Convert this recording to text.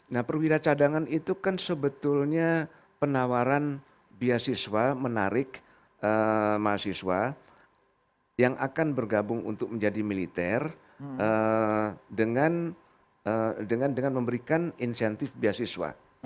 nah perwira cadangan itu kan sebetulnya penawaran beasiswa menarik mahasiswa yang akan bergabung untuk menjadi militer dengan memberikan insentif beasiswa